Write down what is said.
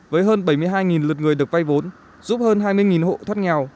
với hơn bảy mươi hai lượt người được vay vốn giúp hơn hai mươi hộ thoát nghèo